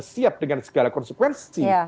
siap dengan segala konsekuensi